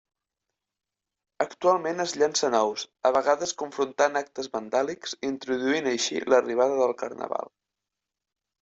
Actualment es llancen ous, a vegades confrontant actes vandàlics, introduint així l'arribada de carnaval.